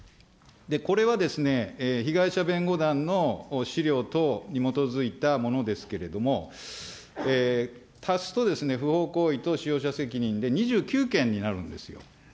これは被害者弁護団の資料等に基づいたものですけれども、足すと不法行為と使用者責任で２９件になるんですよ。